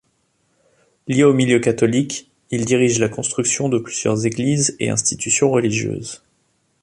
Lié aux milieux catholiques, il dirige la construction de plusieurs églises et institutions religieuses.